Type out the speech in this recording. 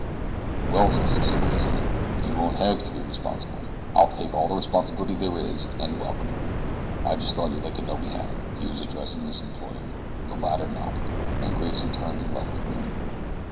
"Well, miss," said Grayson, "you won't hev to be responsible I'll take all the responsibility there is and welcome. I just thought you'd like to know we had him." He was addressing his employer. The latter nodded, and Grayson turned and left the room.